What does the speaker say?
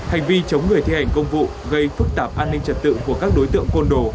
hành vi chống người thi hành công vụ gây phức tạp an ninh trật tự của các đối tượng côn đồ